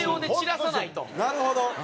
なるほど！